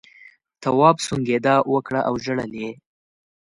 تواب سونگېدا وکړه او ژړل یې.